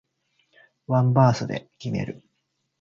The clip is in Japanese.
ワンバースで決める